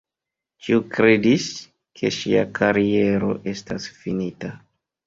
Ĉiu kredis, ke ŝia kariero estas finita.